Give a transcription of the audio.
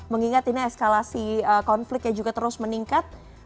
mengingat ini eskalasi konfliknya juga terus meningkat